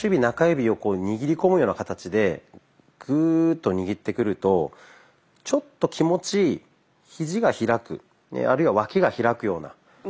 中指を握り込むような形でグーッと握ってくるとちょっと気持ちひじが開くあるいは脇が開くような